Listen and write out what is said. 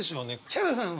ヒャダさんは？